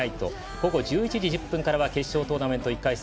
午後１１時１０分からは決勝トーナメント１回戦